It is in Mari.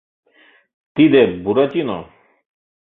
Тиде Буратино!